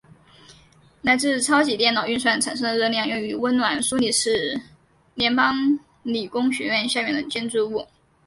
来自超级电脑运算产生的热量用于温暖苏黎世联邦理工学院校园的建筑物。